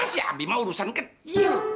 si abi mau urusan kecil